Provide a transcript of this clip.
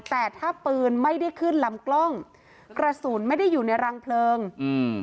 แต่ถ้าปืนไม่ได้ขึ้นลำกล้องกระสุนไม่ได้อยู่ในรังเพลิงอืม